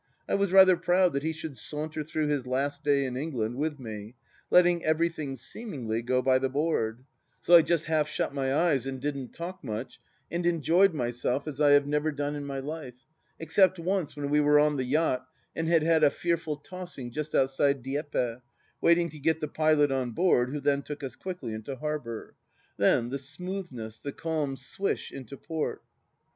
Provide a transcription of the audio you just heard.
I was rather proud 286 THE LAST DITCH that he should saunter through his last day in England with me, letting everything, seemingly, go by the board ; so I just half shut my eyes and didn't talk much, and enjoyed myself as I have never done in my life, except once when we were on the yacht and had had a fearful tossing just outside Dieppe, waiting to get the pilot on board, who then took us quickly into harbour. Then the smoothness, the calm swish into port